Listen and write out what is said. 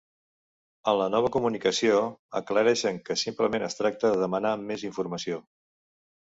En la nova comunicació, aclareixen que simplement es tracta de demanar més informació.